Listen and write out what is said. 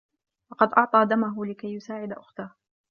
لقد أعطى دمه لكى يساعد أخته.